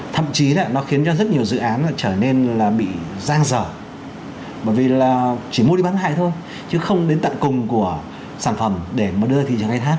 thậm chí là nó khiến cho rất nhiều dự án trở nên là bị giang dở bởi vì là chỉ mua đi bán hại thôi chứ không đến tận cùng của sản phẩm để mà đưa thị trường khai thác